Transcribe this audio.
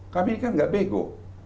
kami kan gak bego